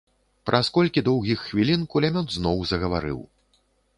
Праз колькі доўгіх хвілін кулямёт зноў загаварыў.